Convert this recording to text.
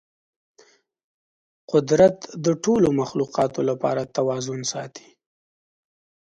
قدرت د ټولو مخلوقاتو لپاره توازن ساتي.